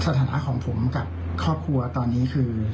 สถานะของผมกับครอบครัวตอนนี้คือ